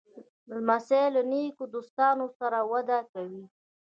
لمسی له نیکو دوستانو سره وده کوي.